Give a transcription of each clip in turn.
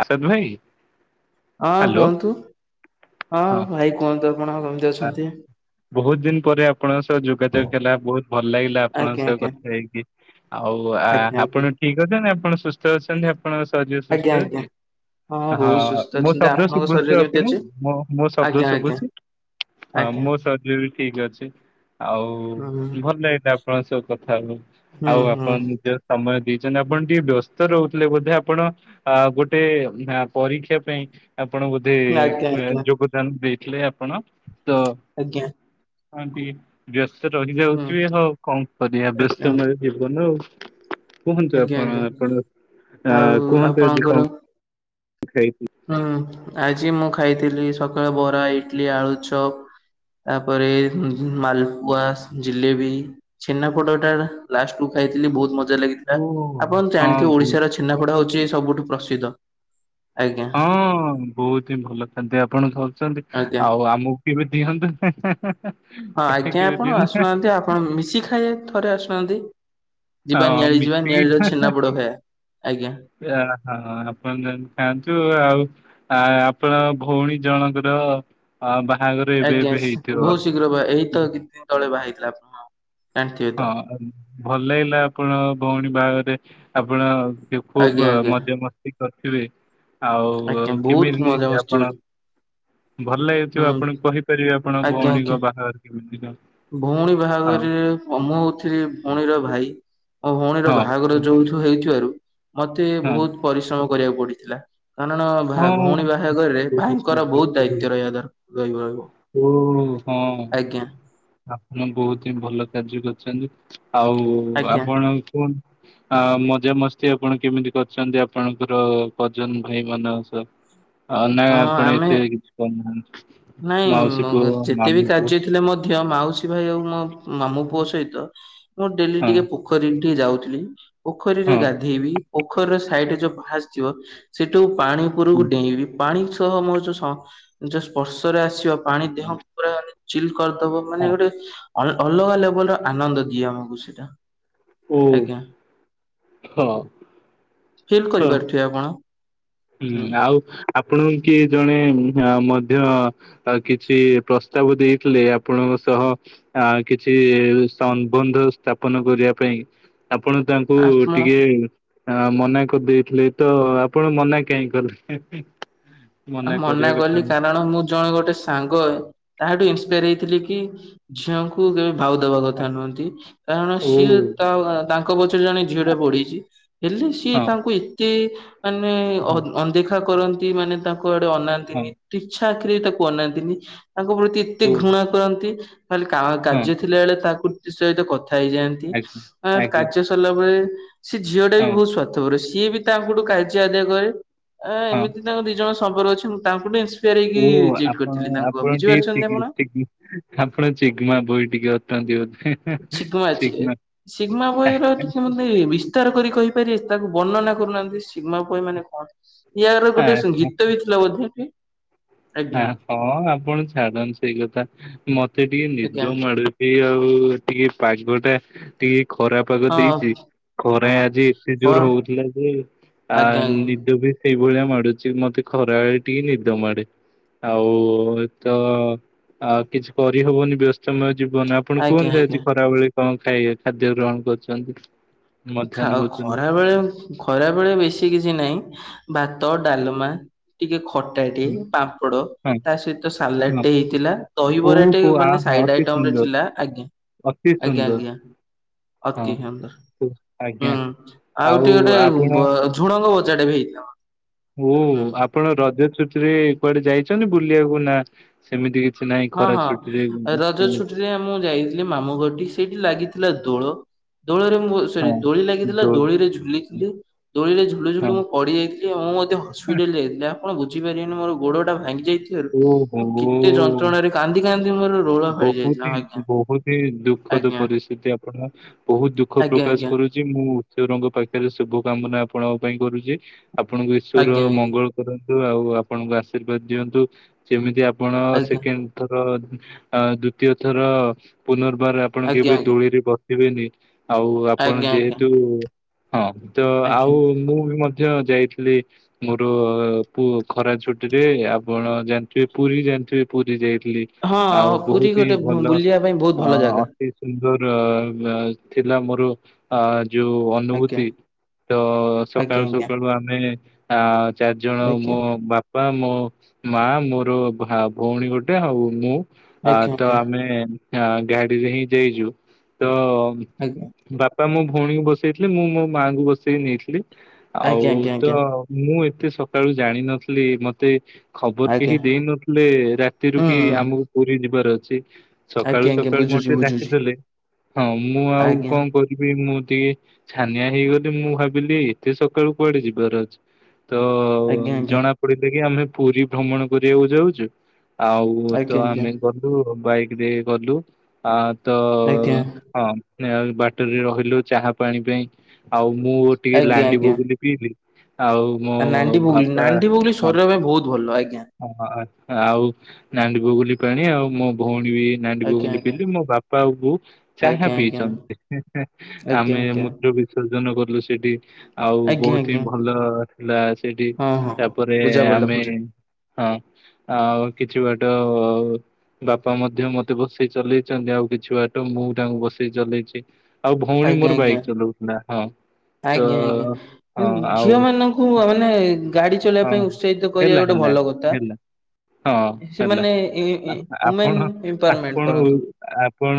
Assad ଭାଇ ହଁ hello କୁହନ୍ତୁ ହଁ ଭାଇ। କୁହନ୍ତୁ ଆପଣ କେମିତି ଅଛନ୍ତି? ବହୁତ ଦିନ ପରେ ଆପଣଙ୍କ ସହ ଯୋଗାଯୋଗ ହେଲା ବହୁତ ଭଲ ଲାଗିଲା ଆପଣଙ୍କ ଆଜ୍ଞା ସହ ଆଜ୍ଞା କଥା ହେଇକି। ଆଉ ଆଜ୍ଞା ଆଜ୍ଞା ଆପଣ ଠିକ ଅଛନ୍ତି। ଆପଣ ସୁସ୍ଥ ଅଛନ୍ତି ଆପଣଙ୍କ ଶରୀର ଆଜ୍ଞା ସୁସ୍ଥ ଆଜ୍ଞା। ଅଛି। ହଁ ବହୁତ ସୁସ୍ଥ ମୁଁ ଅଛନ୍ତି ଶବ୍ଦ ଆପଣଙ୍କ ଶରୀର ଶୁଭୁଛି କେମିତି ଅଛି? ଆପଣଙ୍କୁ ମୋ ଶବ୍ଦ ଆଜ୍ଞା ଆଜ୍ଞା ଶୁଭୁଛି। ହଁ ଆଜ୍ଞା ମୋ ଶରୀର ବି ଠିକ ଅଛି। ଆଉ ହୁଁ ଜୀବନରେ ଏଇଟା ଆପଣଙ୍କ ସହ କଥା ହେଉଛି। ହୁଁ ଆଉ ହୁଁ ଆପଣ ଦ୍ୱିତୀୟ ଥର। ସମୟ ଦେଇଛନ୍ତି ଆପଣ ଟିକିେ ବ୍ୟସ୍ତ ରହୁଥିଲେ ବୋଧେ ଆପଣ। ହଁ ଗୋଟେ ପରୀକ୍ଷା ପାଇଁ ଆପଣଙ୍କୁ। ଆଜ୍ଞା ଆଜ୍ଞା ଯୋଗଦାନ ଦେଇଥିଲେ ଆପଣ ତ। ଆଜ୍ଞା। ହଁ ବ୍ୟସ୍ତ ହୁଁ ରହିଯାଉଥିବ ହଉ କଣ କରିବା ଆଜ୍ଞା ବ୍ୟସ୍ତମୟ। ଜୀବନ ଆଉ କୁହନ୍ତୁ ଆଜ୍ଞା ଆପଣ। ଆଜ୍ଞା ଆପଣ ଆଉ କୁହନ୍ତୁ ଆଜି କଣ। ଖାଇଛିି। ହଁ ଆଜି ମୁଁ ଖାଇଥିଲି ସକାଳେ ବରା, ଇଟିଲି, ଆଳୁଚପ।। ତାପରେ ମାଲପୁଆ, ଜିଲେବି। ଛେନା ପୋଡ ଟା ଲାଷ୍ଟ କୁ ଖାଇଥିଲି ବହୁତ ମଜା ଓ ଲାଗିଥିଲା। ଆପଣ ଜାଣିଥିବେ ହଁ ଓଡିଶାର ଛେନାପୋଡ଼। ଛେନାପୋଡ଼ ହଉଛି ସବୁଠୁ ପ୍ରସିଦ୍ଧ। ଆଜ୍ଞା। ହଁ ବହୁତ ହିଁ ଭଲ ଖାଦ୍ୟ ଆପଣ ଖାଉଛନ୍ତି। ଆଜ୍ଞା। ଆଉ ଆମକୁ କେବେ ଦିଅନ୍ତୁ ହେଁ ହେଁ ହେଁ। ହଁ ଆଜ୍ଞା ଆପଣ ଆସୁନାହାନ୍ତି ଆପଣ ମିଶି ଖାଇବା। ଥରେ ଆସୁନାହାନ୍ତି ଯିବା ହଁ ନିଆଳି ଯିବା ନିଆଳିର ମିଶିକି ଛେନା ପୋଡ ଖଇବା ଆଜ୍ଞା। ହଁ ଆପଣ ଖାଆନ୍ତୁ ଆଉ। ଆ ଆପଣ ଭଉଣୀ ଜଣଙ୍କର ବାହାଘର ଏବେ ଆଜ୍ଞା ଏବେ ବହୁତ ହେଇଥିବ। ଶୀଘ୍ର ଏଇ ତ କିଛି କେତେ ଦିନ ତଳେ ବାହାହେଇଥିଲା ଆପଣ। ଜାଣିଥିବେ ତ ହଁ, ଭଲ ହେଲା ଆପଣ ଭଉଣୀ ବାହାଘରରେ ଆପଣ। ଆଜ୍ଞା ଖୁବ ଆଜ୍ଞା ମଜା ମସ୍ତି କରିଥିବେ। ଆଉ ଆଜ୍ଞା ବହୁତ କେମିତି ମଜାମସ୍ତି ହୁଁ ଆପଣ? ଭଲ ଲାଗିଥିବ ଆପଣ କହିପାରିବେ ଆପଣ ଆଜ୍ଞା ଆଜ୍ଞା। ଭଉଣୀଙ୍କ ବାହାଘର କେମିତି କଣ। ଭଉଣୀ ହଁ ବାହାଘର ମୁଁ ହଉଥିଲି ଭଉଣୀର ଭାଇ। ମୋ ଭଉଣୀର ବାହାଘର ହଁ ଯୋଉଠି। ହେଉଥିବାରୁ ମତେ ହଁ। ବହୁତ ପରିଶ୍ରମ କରିବାକୁ ପଡିଥିଲା। କାରଣ ହଁ ଭଉଣୀ ବାହାଘରରେ ଭାଇଙ୍କର ବହୁତ ଦାୟିତ୍ୱ ରହିବା ଦରକାର ରହି ରହିବ। ଓହୋ ଆଜ୍ଞା ଆପଣ ବହୁତ ହିଁ ଭଲ କାର୍ଯ୍ୟ କରିୁଛନ୍ତି। ଆଉ ଆଜ୍ଞା ଆପଣଙ୍କୁ। ଆ ମଜାମସ୍ତି ଆପଣ କେମିତି କରିଛନ୍ତି ଆପଣଙ୍କର କଜନ ଭାଇ ମାନଙ୍କ ସହ। ହୁଁ। ହଉ ନାଇ ଆପଣ ଏତେ କିଛି କରୁନାହାନ୍ତି। ନାଇଁ ଯେତେ ବି କାର୍ଯ୍ୟ ଥିଲେ ମୋ। ଝିଅ ମାଉସୀ ଭାଇ ଆଉ ମୋ ମାମୁଁ ପୁଅ ସହିତ, ମୁଁ ଡେଲି ହଁ ଟିକେ। ପୋଖରୀ ଟିକେ ଯାଉଥିଲି, ପୋଖରୀରେ ହଁ। ଗାଧେଇବି, ପୋଖରୀର ସାଇଡ ଯୋଉ ପାହାଚ ଥିବ। ସେଠୁ ପାଣି ହୁଁ, ଉପରକୁ ଡେଇଁବି ପାଣି ସହ ମୋ ଯୋଉ। ସ୍ପର୍ଶରେ ଆସିବା ପାଣି ଦେହକୁ ପୁରା ଚିଲ୍ କରିଦବ ମାନେ ହଁ ଗୋଟେ। ଅଲଗା ଲେବଲ ର ଆନନ୍ଦ ଦିଏ ଆମକୁ ସେଇଟା। ଓ ଆଜ୍ଞ୍ୟା ହଁ ହଁ। ଫିଲକରିପାରୁଥିବେ ଆପଣ। ହୁଁ ଆଉ ଆପଣ କି ଜଣେ ମଧ୍ୟ। ଆଉ କିଛି ପ୍ରସ୍ତାବ ଦେଇଥିଲେ ଆପଣଙ୍କ ସହ। ଆ କିଛି ସମ୍ବନ୍ଧ ସ୍ଥାପନ କରିବା ପାଇଁ। ଆପଣ ତାଙ୍କୁ ଆପଣ ଟିକେ ଅ ମନା କରିଦେଇଥିଲେ ତ ଆପଣ ମନା। କାହିଁ କରିଥିଲେ। ଆ ମନା କଲି କାରଣ ମୁଁ ଜଣେ ଗୋଟେ ସାଙ୍ଗ ତାହାଠୁ ଇନ୍ସପାୟାର ହେଇଥିଲି କି ଝିଅଙ୍କୁ ଭାଉ ଦେବା କଥା ନୁହନ୍ତି କାରଣ ଓ ସିଏ ତା ତାଙ୍କ ପଛରେ ଜଣେ ଝିଅଟେ ପଢିଚି ହେଲେ ସିଏ ହଁ ତାଙ୍କୁ ଏ ଏତେ ମାନେ ଅ ହଁ ଅଣଦେଖା କରନ୍ତି ମାନେ ତାଙ୍କ ଆଡ଼େ ହଁ ଅନାନ୍ତିନି। ଇଚ୍ଛା ଆଖିରେ ତାକୁ ଅନାନ୍ତିନି ତାଙ୍କ ପ୍ରତି ଏତେ ଓ ଘୃଣା କରନ୍ତି ତାହଲେ କା ହଁ କାର୍ଯ୍ୟ ଥିଲା ବଳେ ତାକୁ ସହିତ କଥା ହେଇଯାଆନ୍ତି ଆଜ୍ଞା ଆ ଆଜ୍ଞା କାର୍ଯ୍ୟ ସରିଲା ପରେ ସେ ଝିଅଟାବି ହଁ ବହୁତ୍ ସ୍ଵାର୍ଥପର ସିଏବି ତାଙ୍କଠୁ କାଯ୍ୟ ଆଦାୟ କରେ ଆ ହଁ ଏମିତି ତାଙ୍କ ଦି ଜଣ ସମ୍ପର୍କ ଅଛି ତାଙ୍କୁଠୁସାର ଓ ହେଇକି ଆପଣ କରିଥିଲି ତାଙ୍କୁ ଆଉ ଆପଣ ଟିକେ ବୁଝିପାରୁଛନ୍ତି ଚିଗି ଆପଣ। ଚିଗି ଆପଣ ଚିଗ୍ମା ବହି ଟିକେ ଅଟନ୍ତି ବୋଧେ। ଶିଗ୍ମା ଅଛି ଚିଗ୍ମା ଶିଗ୍ମା ବହିର ଟେ କରି କହିପାରିବେ ତାକୁ ବର୍ଣନା କରୁନାହାନ୍ତି ସିମାପ ମାନେ କଣ ୟାର ହଁ ଗୋଟେ ଗୀତବି ବ [unintelligible] ଆ ହଁ ଆପଣ ଛାଡ଼ନ୍ତୁ ସେଇ କଥା ମତେ ଟିକେ ଆଜ୍ଞା ନିଦ ମାଡୁ ଇଏ ଆଉ ଟିକେ ପାଗଟା ଟିକେ ଖରା ପାଗ ଦେଇଚି ହଁ। ଖରା ହଁ ଆଜି ଏତେ ହଁ ଜୋରେ ହଉଥିଲା ଯେ ଆ ଆଜ୍ଞା ଆଜ୍ଞା ନିଦବି ସେଇଭଳିଆ ମାଡୁଚି ମତେ ଖରାବେଳେ ଟିକେ ନିଦ ମାଡ଼େ। ଆଉ ତ ଆ କିଛି କରିହବନି ବ୍ୟ ସମୟ ଜୀବନ ଆପଣ ଆଜ୍ଞା କୁହନ୍ତି ଆଜ୍ଞା। ଆଜି ଖରା ବେଳେ କଣ ଖାଇବେ ଖାଦ୍ୟ ଗ୍ରହଣ କରୁଚନ୍ତି? ଖାଅ ଖରାବେଳେ ଖରା ବେଳେ ବେଶୀ କିଛି ନାହିଁ ଭାତ, ଡ଼ାଲମା ଟିକେ ଖଟା, ଟିକେ ପାମ୍ପଡ଼ ହଁ ତା ସହିତ ହଁ ସାଲାଟେ ହେଇଥିଲା, ଦହିବରାଟେ ଓହୋ ମାନେ ଆହା ସାଇଟ୍ ଅତି ଆଇଟମରେ ସୁନ୍ଦର ଥିଲା ଆଜ୍ଞା। ଅତି ସୁନ୍ଦର। ଆତି ହଁ ଆନନ୍ଦ। ଆଜ୍ଞା। ହୁଁ ଆଉ ଟିକେ ଗୋଟେ ବ ସୁଡ଼ଙ୍ଗ ବଜାଟେବି ହେଇ ଓ ଆପଣ ରଜ ଛୁଟିରେ କୁଆଡ଼େ ଯାଇଚନ୍ତି ବୁଲିବାକୁନା ସେମିତି କି କିଛି ନାଇଁ ଖରା ଛୁଟିରେ [unintelligible] ନାଁ ମୁଁ ଯାଇଥିଲି ମାମୁ ଘରଟି ସେଇଠି ଲାଗିଥିଲା ଦୋଳ ଦୋଳରେ ମୁଁ ସରି ହଁ ଦୋଳି ଲାଗିଥିଲା ଯୋଉ ଦୋଳିରେ ଝୁଲିଥିଲି ଦୋଳିରେ ଝୁଲୁଝୁଲୁ ହଁ ମୋ ପଡ଼ିଯାଇଥିଲି ଏବଂ ମୁଁ ମଧ୍ୟ ହସ୍ପିଟାଲରେ ଯାଇଥିଲି ଆପଣ ବୁଝିପାରିବେନି ମୋର ଗୋଡ଼ଟା ଭାଙ୍ଗି ଯାଇଥି ଓହୋ। କାନ୍ଦି କାନ୍ଦି ମୋର ରୋଳ ଫାଳି ଯାଇଥିଲା ବହୁତହି ଆଜ୍ଞା ବହୁତହି ଦୁଃଖଦ ଆଜ୍ଞା ପରିସ୍ଥିତି ଆପ ପଣ ବହୁତ ଦୁଃଖ ପ୍ରକାଶ ଆଜ୍ଞା କରୁ ଛି ମୁଁ ଈଶ୍ବରଙ୍କ ପାଖରେ ଶୁଭ କାମନା ଆପଣଙ୍କ ପାଇଁ କରୁଚି ଆପଣଙ୍କୁ ଈଶ୍ୱର ଆଜ୍ଞା ମଙ୍ଗଳ କରନ୍ତୁ ଆଉ ଆପଣଙ୍କୁ ଆଶୀର୍ବାଦ ଦିଅନ୍ତୁ ଯେମିତି ଆପଣ ଆଜ୍ଞା ଆଜ୍ଞା ସେକେଣ୍ଡ ଥର ଆ ଦ୍ଵିତୀୟ ଥର ପୁନର୍ବାର ଆପଣ ଆଜ୍ଞା କେବେ ଆଜ୍ଞା ଦୋଳିରେ ବ ସିବେନି ଆଉ ଆପଣ ଆଜ୍ଞା ଆଜ୍ଞା ଯେହେତୁ ହଁ ଆଜ୍ଞା। ତଆଉ ମୁଁ ବି ମ ଧ୍ୟ ଯାଇଥିଲି ମୋର ପୁ ଖରା ଛୁଟିରେ ଆଉ ଆପଣ ଜାଣିଥିବେ ପୁରୀ ଜାଣିଥିବେ ପୁରୀ ଯାଇଥିଲି। ଆଉ ହଁ ପୁରୀ ବହୁତହିଁ ଗୋଟେ ଭଲ ବୁଲିବା ପାଇଁ ବହୁତ ଅ ଭଲ ଜାଗା ଅତି ସୁନ୍ଦର ଥିଲା ମୋର ଅ ଯୋଉ ଆଜ୍ଞା ଅନୁଭୂତି ତ ଆଜ୍ଞା ସକାଳୁ ଆଜ୍ଞା ସକାଳୁ ଆମେ ଆ ଚାରିଜଣ ଆଜ୍ଞା। ମୋ ବା ବାପା, ମୋ ମା, ମୋର ଭା ଭଉଣୀ ଗୋଟେ ଆଉ ମୁଁ ଅ ଆଜ୍ଞା ଆଜ୍ଞା ତଆମେ ଗାଡ଼ିରେହିଁ ଯାଇଛୁ ତ ଆଜ୍ଞା। ବାପା ମୋ ଭଉଣୀକୁ ବସେଇଥିଲେ ମୁଁ ମୋ ମାଙ୍କୁ ବସେଇ ନେଇଥିଲି ଆଜ୍ଞା ଆଉ ଆଜ୍ଞା ତ ଆଜ୍ଞା। ମୁଁ ଏତେ ସକାଳୁ ଜାଣିନଥିଲି ମତେ ଖବର ଆଜ୍ଞା କେହି ଦେଇ ନଥିଲେ ରାତିରୁ ହୁଁ କି ହୁଁ ଆମକୁ ପୁରୀ ଯିବାର ଅଛି। ସକାଳୁ ଆଜ୍ଞା ଆଜ୍ଞା ସକାଳୁ ବୁଝୁଛି ମତେ ବୁଝୁଛି ଡାକିଦେଲେ ହଁ ମୁଁ ଆଉ ଆଜ୍ଞା କଣ କରୁ ମୁଁ ଟିକେ ଛାନିଆ ହେଇଗଲି ମୁଁ ଭାବିଲି ଏତେ ସକାଳୁ କୁଆଡେ ଯିବାର ଅଛି? ତ ଆଜ୍ଞା ଆଜ୍ଞା ଜଣା ପଡିଲା କି ଆମେ ପୁରୀ ଭ୍ରମଣ କରିବାକୁ ଯାଉଛୁ। ଆଉ ତ ଆଜ୍ଞା ଆମେ ଗଲୁ ବାଇକ ରେ ଗଲୁ ଆ ତ ଆଜ୍ଞା ଆଜ୍ଞା ହଁ ବାଟରେ ରହିଲୁ ଚାହା ପାଣି ପାଇଁ ଆଉ ମୁଁ ଟିକେ ଆଜ୍ଞା ଆଜ୍ଞା ଲାଣ୍ଡିବଗୁଲୀ ପିିଇଲି ଆଉ ମୋ ଆ ନାଣ୍ଡି ବଗୁଲି ବାପା ନାଣ୍ଡି ବଗୁଲି ହଁ ଶରୀର ପାଇଁ ବହୁତ ଭଲ ଆଜ୍ଞା। ହଁ ଆଉ ନାଣ୍ଡିବଗୁଲି ପାଣି ଆଉ ମୋ ଭଉଣୀ ବି ଆଜ୍ଞା ନାଣ୍ଡିବଗୁଲି ଆଜ୍ଞା ପିଇଲୁ ମୋ ବାପା ଆଉ ବୋଉ ଚାହା ଆଜ୍ଞା ଆଜ୍ଞା ଆଜ୍ଞା ପିଇଛନ୍ତି। ଆଜ୍ଞା ଆମେ ମୂର୍ତ୍ତି ବିସର୍ଜନ କଲୁ ସେଠି। ଆଉ ଆଜ୍ଞା ବହୁତ ଆଜ୍ଞା ହିଁ ଭଲ ଥିଲା ସେଇଠି ହଁ ହଁ ତାପରେ ବୁଝା ପଡିଲା ଆମେ ବୁଝା ହଁ ଆଉ କିଛି ବାଟ ବାପା ମଧ୍ୟ ମତେ ବସେଇ ଚଲେଇଚନ୍ତି ଆଉ କିଛି ବାଟ ମୁଁ ତାଙ୍କୁ ବସେଇ ଚଲେଇଛି ଆଉ ଭଉଣୀ ଆଜ୍ଞା ମୋର ଆଜ୍ଞା ବାଇକ୍ ଚଲୋଉଥିଲା ହଁ। ତ ଆଜ୍ଞା ଆଜ୍ଞା ହଁ ଆଉ ଝିଅ ମାନଙ୍କୁ ମାନେ ଗାଡି ଚଲେଇବା ହଁ ପାଇଁ ଉତ୍ସାହିତ କରିବା ହେଲା ଗୋଟେ ହେଲା ଭଲ କଥା। ହେଲା ହଁ ଥା ହେଲା। ସେମାନେ ଆ- ଓମେନ୍ ଆପଣ ଏମ୍ପାୱର୍ ମେଣ୍ଟ ଆପଣ କରନ୍ତି। ଆପଣ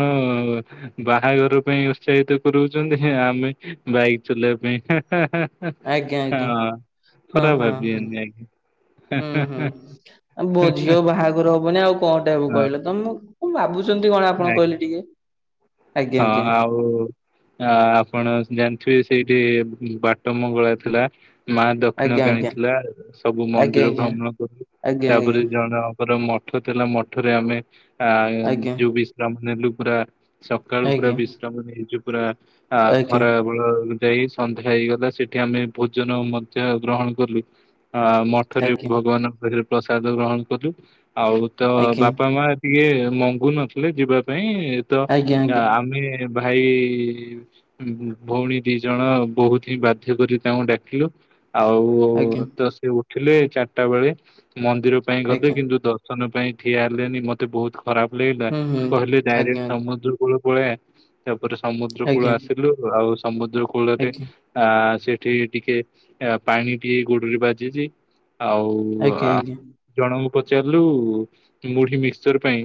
ବାହାଘର ପାଇଁ ଉତ୍ସାହିତ କରୋଉଚନ୍ତି ଆମେ ବାଇକ୍ ଚଲେଇବା ପାଇଁ ହା ଆଜ୍ଞା ହା ଆଜ୍ଞା ହା। ହଁ ହଁ ଖରାପ ହଁ ଭାବିବେନି ଆଜ୍ଞା ହା ହା। ହଁ ଆ ମୋ ଝିଅ ବାହାଘର ହବନି ଆଉ କଣଟା ହବ ହେଁ ହଁ କହିଲ ତମ କଣ ଭାବୁଚନ୍ତି କଣ ଆପଣ ଆଜ୍ଞା। କହିଲେ ଟିକେ ଆଜ୍ଞା ଆଜ୍ଞା। ହୋଉ। ଆ ଆପଣ ଜାଣିଥିବେ ସେଇଠି ବାଟ ମଙ୍ଗଳା ଥିଲା। ମା ଦକ୍ଷିଣ କାଳୀ ଆଜ୍ଞା ଥିଲା ସବୁ ମନ୍ଦିର ଆଜ୍ଞା ଭ୍ରମଣ କଲୁ ଆଜ୍ଞା ତାପରେ ଜଣ ଜଣଙ୍କର ମଠ ଥିଲା ମଠରେ ଆମେ ଆ ଆଜ୍ଞା ଯୋଉ ବିଶ୍ରାମ ନେଲୁ ପୁରା ସକାଳୁ ପୁରା ଆଜ୍ଞା ବିଶ୍ରାମ ନେଇଛୁ ପୁରା ଆ ଆଜ୍ଞା ଆଜ୍ଞା ଖରା ଖରା ଯାଇ ସନ୍ଧ୍ୟା ହେଇଗଲା ସେଠି ଆମେ ଭୋଜନ ମଧ୍ୟ ଗ୍ରହଣ କଲୁ। ଅ ମଠରେ ଭଗବାନଙ୍କ ପାଖରେ ପ୍ରସାଦ ଗ୍ରହଣ କଲୁ ଆଉ ତ ଆଜ୍ଞା ବାପା ମା ଟିକିଏ ମଙ୍ଗୁ ନଥିଲେ ଯିବା ପାଇଁ ତ ଆଜ୍ଞା ଆଜ୍ଞା ଆଜ୍ଞା ଆଜ୍ଞା ଆଜ୍ଞା ଆମେ ଭାଇ ଭଉଣୀ ଦି ଜଣ ବହୁତ ହିଁ ବାଧ୍ୟ କରି ତାଙ୍କୁ ଡାକିଲୁ, ଆଉ ଓ ଆଜ୍ଞା ତ ସେ ଉଠିଲେ ଚାରିଟା ବେଳେ ମନ୍ଦିର ପାଇଁ ଗଲେ ଆଜ୍ଞା କିନ୍ତୁ ଦଶ ଦର୍ଶନ ପାଇଁ ଠିଆ ହେଲେନି ମତେ ବହୁତ ଖରାପ ଲାଗିଲା ହୁଁ ହୁଁ କହିଲେ ଡାଇରେକ୍ଟ ଆଜ୍ଞା ସମୁଦ୍ର କୂଳ ପଳେଇବା ତାପରେ ସମୁଦ୍ର କୂଳ ଆଜ୍ଞା ଆସିଲୁ ଆଉ ସମୁଦ୍ର କୂଳରେ ଆଜ୍ଞା ଆ ସେଠି ଟିକେ ପାଣି ଟିକେ ଗୋଡରେ ବାଜିଚି ଆଉ ଆଜ୍ଞା ଆଜ୍ଞା ଆଉଜଣଙ୍କୁ ପଚାରିଲୁ ମୁଢି ମିକ୍ସଚର ପାଇଁ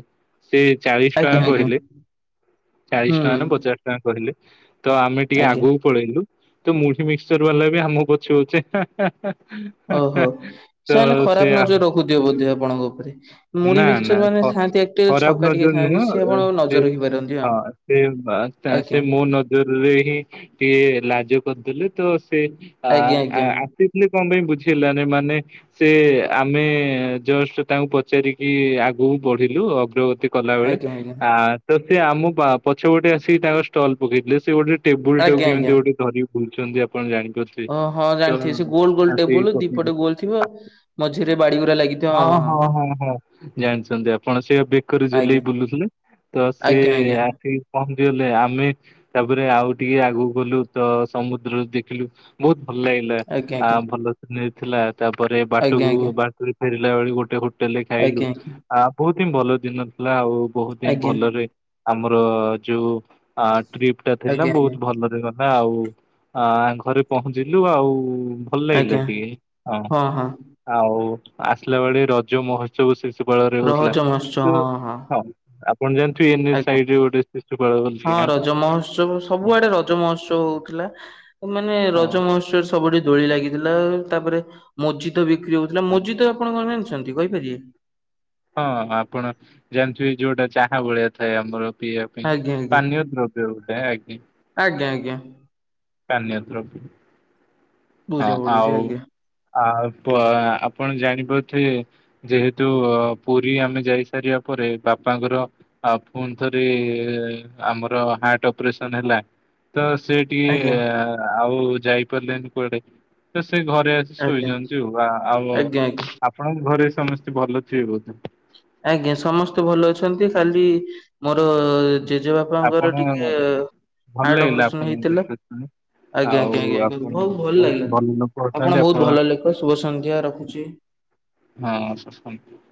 ସେ ଚାଳିଶ ଟଙ୍କା ଆଜ୍ଞା ଆଜ୍ଞା କହିଲେ ଚାଳିଶ ଟଙ୍କା ହୁଁ ନା ପଚାଶ କହିଲେ ତ ଆମେ ଟିକେ ଆଜ୍ଞା ଆଗୁକୁ ପଳେଇଲୁ ତ ମୁଢି ମିକ୍ସଚର ବାଲା ବି ଆମ ପଛେ ପଛେ ହା ହା ହା ଓହୋ। ସେମାନେ ସେ ଖରାପ ନଜର ଆମ- ରଖୁ ଥିବେ ବୋଧେ ଆପଣଙ୍କ ଉପରେ ମୁଢି ନା ନା ମିଶ୍ଚର ମାନେ ଖ- ଖାନ୍ତି ଖରାପ ନଜର ନୁହଁ ସେ ରଖିପାରନ୍ତି ଆଉ ହଁ ଆଜ୍ଞା ସେ ମୋ ନ ଜରରେ ହିଁ ଟିକେ ଲାଜ କରିଦେଲେ ତ ସେ ଆ ଆଜ୍ଞା ଆଜ୍ଞା ଆ ସେ ଥିଲେ କଣ ପାଇଁ ବୁଝି ହେଲାନି, ମାନେ ସେ, ଆମେ ଜଷ୍ଟ ତାଙ୍କୁ ପଚାରିକି ଆଗକୁ ବଢ଼ିଲୁ। ଅଗ୍ରଗତି କଲା ବେଳେ, ଆଜ୍ଞା ଆଜ୍ଞା ଆ ତ ସି ଆମ ପା ପଛ ଗୋଟେ ଆସିକି ତାଙ୍କ ଷ୍ଟଲ ପକେଇଥିଲେ, ସେ ଗୋଟେ ଟେବୁଲ ଟାକୁ ଆଜ୍ଞା କେମିତି ଆଜ୍ଞା। ଗୋଟେ ଧରିକି ବୁଲଛନ୍ତି, ଆପଣ ଜାଣିପାରୁଥିବେ। ଓ, ହଁ, ତ ଜାଣିଥିବେ। ସେ ଗୋଲ୍ ଗୋଲ୍ ଆସିକି ଟେବୁଲ, ପକେଇଲେ ଦିପଟେ ଗୋଲ୍ ଥିବ, ମଝିରେ ବାଡି ଗୁରା ଲାଗିଥିବ। ହଁ, ହଁ। ହଁ, ଜାଣିଛନ୍ତି ଆପଣ, ସେ ବେକରେ ଆଜ୍ଞା ଝୁଲେଇକି ବୁଲୁଥିଲେ ତ ସେ ଆଜ୍ଞା ଆଜ୍ଞା। ଠିକ୍ ପହଞ୍ଚିଗଲେ। ଆମେ ତାପରେ ଆଉ ଟିକେ ଆଗକୁ ଗଲୁ ତ ସମୁଦ୍ର ଦେଖିଲୁ। ବହୁତ ଭଲ ଲାଗିଲା, ଆଜ୍ଞା ଆ ଆଜ୍ଞା ଭଲ ସିନେରୀ ଥିଲା। ତାପରେ ଆଜ୍ଞା ବାଟକୁ ଆଜ୍ଞା ବାଟ ଫେରିଲା ବେଳେ ଗୋଟେ ହୋଟେଲ୍ ରେ ଖାଇଲୁ। ଆଜ୍ଞା ଆ, ବହୁତ ହିଁ ଭଲ ଦିନ ଥିଲା। ଆଉ ବହୁତ ହିଁ ଆଜ୍ଞା ଭଲରେ ଆମର ଯୋଉ ଆ ଟ୍ରିପ ଟା ଥିଲା, ଆଜ୍ଞା ଆଜ୍ଞା। ବହୁତ ଭଲ ରେ ଗ ଥିଲା ଆଉ, ଆ ଘରେ ପହଞ୍ଚିଲୁ ଆଉ ଭଲ ଲାଗିଲା ଆଜ୍ଞା ଟିକେ, ହଁ। ଆଉ ଆସିଲା ବେଳେ ରଜ ମହୋତ୍ସବ ଶିଶୁପାଳରେ ହଉଥିଲା। ଆଚ୍ଛା, ତ ହଁ, ହଁ। [unintelligible] ଏନ ଆଜ୍ଞା, ସାଇଡରେ ଗୋଟେ ଶିଶୁପାଳ ବୋଲି ହଁ, ଗାଁ ରଜ ମହୋତ୍ସବ, ସବୁଆଡେ ରଜ ମହୋତ୍ସବ ହଉଥିଲା। ମାନେ ହଁ ରଜମହୋ ତ୍ସବ ସବୁଠି ଦୋଳି ଲାଗିଥିଲା। ତାପରେ ମୋଜିତ ବିକ୍ରି ହଉଥିଲା। ହଁ ମୋଜିତ ଆପଣ କଣ ଜାଣିଛ? ଅଛନ୍ତି କହିପାରିବେ? ହଁ, ଆପଣ ଜାଣିଥିଵେ, ଯୋଉଟା ଚାହା ଭଳିଆ ଥାଏ ଆମର। ପିଇବା ପାଇଁ ଆଜ୍ଞା ଆଜ୍ଞା। ପାନୀୟ ଦ୍ରବ୍ୟ ଗୋଟାଏ, ଆଜ୍ଞା। ଆଜ୍ଞା, ଆଜ୍ଞା। ପାନୀୟ ଦ୍ରବ୍ୟ। ହଁ, ବୁଝା ପଡୁଛି ଆଉ ଆଜ୍ଞା ଆପ-ଆପଣ ଜାଣିପାରୁଥିବେ। ଯେହେତୁ ପୁରୀ ଆମେ ଯାଇ ସାରିବା ପରେ ବାପାଙ୍କର ଆଉ ପୁଣି ଥରେ ଆମର ହାର୍ଟ ଅପରେସନ୍‌ ହେଲା ତ ସେ ଆଜ୍ଞା ଇଏ ଆଉ ଯାଇପାରିଲେନି କୁଆଡେ ତ ସେ ଘରେ ଆଜ୍ଞା ଶୋଇଛନ୍ତି, ଆ ଆଉ ଆଜ୍ଞା ଆଜ୍ଞା। ଆପଣଙ୍କ ଘରେ ସମସ୍ତେ ଭଲ ଥିବେ ବୋଧେ। ଆଜ୍ଞା, ସମସ୍ତେ ଭଲ ଅଛନ୍ତି। ଖାଲି ମୋର ଜେଜେବାପ ବାପାଙ୍କର ଆପଣ ଟିକେ ଭଲ ହାର୍ଟ ଲାଗିଲା ଅପରେସନ୍‌ ଆପଣଙ୍କ ହେଇଥିଲା। କଥା ଶୁଣି ଆଜ୍ଞା, ଆଉ ଆଜ୍ଞା, ଆଜ୍ଞା, ଆପଣ ବହୁତ ଭଲ ବହୁତ ଲାଗିଲା। ଭଲ ଲୋକ ଅଛନ୍ତି ଆପଣ ବହୁତ ଭଲ ଲୋକ। ଶୁଭ ସଂନ୍ଧ୍ୟା, ରଖୁଛି। ହଁ [unintelligible]